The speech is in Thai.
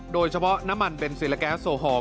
โดยเฉพาะน้ำมันเบนซินและแก๊สโสฮอล์